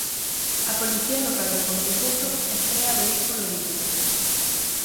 A Policía Local de Ponteceso estrea vehículo híbrido.